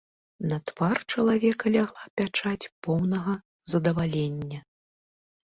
На твар чалавека лягла пячаць поўнага задавалення.